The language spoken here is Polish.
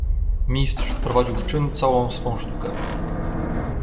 "Mistrz wprowadził w czyn całą swą sztukę."